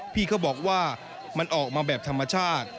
พี่เขาบอกว่ามันออกมาแบบธรรมชาติ